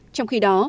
trong khi đó